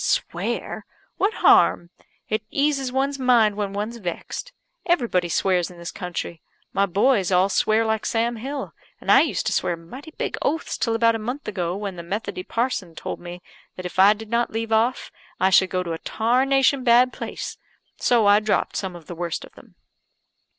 "Swear! What harm? It eases one's mind when one's vexed. Everybody swears in this country. My boys all swear like Sam Hill; and I used to swear mighty big oaths till about a month ago, when the Methody parson told me that if I did not leave it off I should go to a tarnation bad place; so I dropped some of the worst of them."